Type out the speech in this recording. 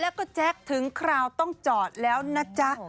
แล้วก็แจ๊คถึงคราวต้องจอดแล้วนะจ๊ะ